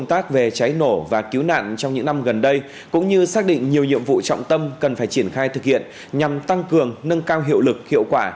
trong năm gần đây cũng như xác định nhiều nhiệm vụ trọng tâm cần phải triển khai thực hiện nhằm tăng cường nâng cao hiệu lực hiệu quả